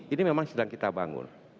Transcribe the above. ini memang sedang kita bangun